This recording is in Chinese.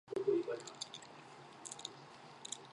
傕之子式。